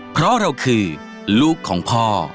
เพราะเราคือลูกของพ่อ